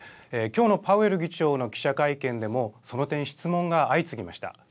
きょうのパウエル議長の記者会見でも、その点、質問が相次ぎました。